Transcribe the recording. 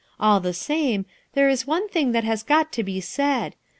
All the same, there is one thing that has got to be said.